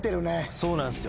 そうなんすよ。